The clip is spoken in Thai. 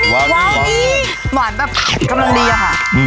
วาวนี